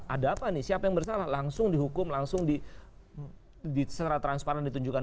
ada apa nih siapa yang bersalah langsung dihukum langsung secara transparan ditunjukkan